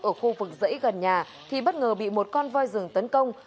ở khu vực dãy gần nhà thì bất ngờ bị một con voi rừng tấn công